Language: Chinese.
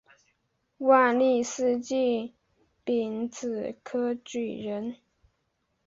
万历四年丙子科举人。